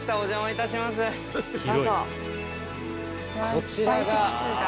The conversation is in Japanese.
こちらが。